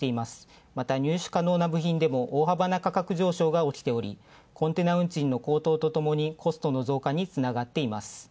また入手可能な部品でも大幅な価格上昇がおきており、コンテナ運賃のコストの増加につながっています。